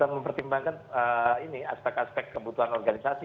serta mempertimbangkan aspek aspek kebutuhan organisasi